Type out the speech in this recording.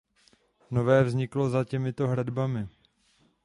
Nové vzniklo za těmito hradbami.